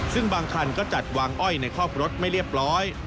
ซึ่งบางคันก็จัดวางอ้อยในครอบรถไม่เรียบร้อย